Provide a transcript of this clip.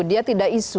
dia tidak isu